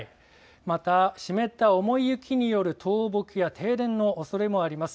また湿った重い雪による倒木や停電のおそれもあります。